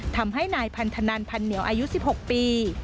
ทำให้นายพันธนันพันเหนียวอายุ๑๖ปี